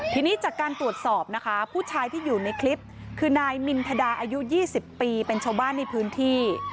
ทีนี้จากการตรวจสอบนะคะผู้ชายที่อยู่ในคลิปคือนายมินทดาอายุ๒๐ปีเป็นชาวบ้านในพื้นที่